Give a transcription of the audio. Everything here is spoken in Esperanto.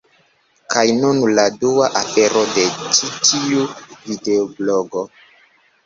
Kaj nun la dua afero, de ĉi tiu videoblogo